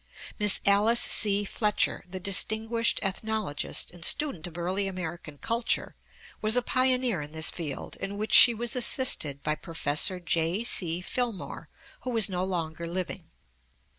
Miss Alice C. Fletcher, the distinguished ethnologist and student of early American culture, was a pioneer in this field, in which she was assisted by Prof. J. C. Filmore, who is no longer living.